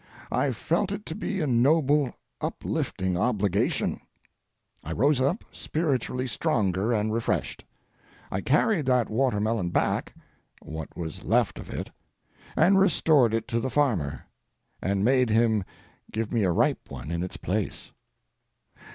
I felt it to be a noble, uplifting obligation. I rose up spiritually stronger and refreshed. I carried that watermelon back—what was left of it—and restored it to the farmer, and made him give me a ripe one in its place.